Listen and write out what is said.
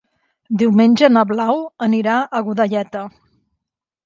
Diumenge na Blau anirà a Godelleta.